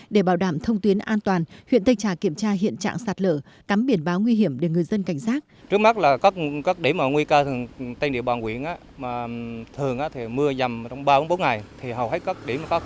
để bảo đảm thông tuyến an toàn huyện tây trà kiểm tra hiện trạng sạt lở cắm biển báo nguy hiểm để người dân cảnh giác